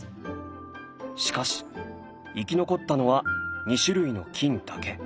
しかし生き残ったのは２種類の菌だけ。